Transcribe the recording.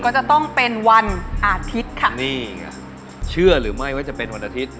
จะต้องเป็นวันอาทิตย์